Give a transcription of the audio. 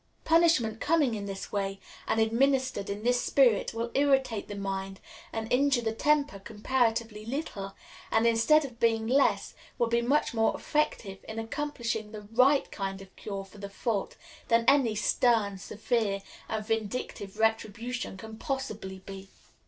Punishment coming in this way, and administered in this spirit, will irritate the mind and injure the temper comparatively little; and, instead of being less; will be much more effective in accomplishing the right kind of cure for the fault, than any stern, severe, and vindictive retribution can possibly be.